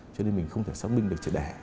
cho nên mình không thể xác minh được trẻ đẻ